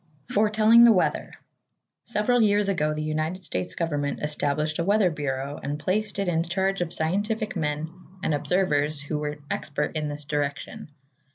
Foretelling the Weather Several years ago the United States Government established a Weather Bureau and placed it in charge of scientific men and observers who were expert in this direction.